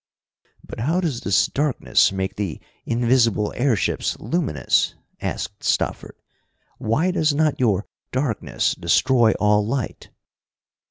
"But how does this darkness make the invisible airships luminous?" asked Stopford. "Why does not your darkness destroy all light?"